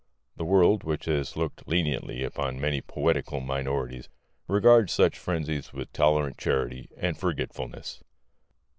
The world, which has looked leniently upon many poetical minorities, regards such frenzies with tolerant charity and forgetfulness.